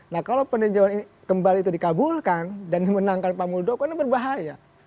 nah kalau peninjauan ini kembali itu dikabulkan dan dimenangkan pak muldoko ini berbahaya